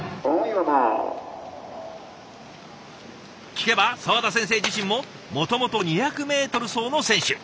聞けば沢田先生自身ももともと２００メートル走の選手。